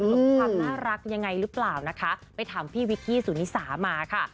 ความน่ารักยังไงหรือเปล่านะคะไปถามพี่วิกกี้สุนิสามาค่ะ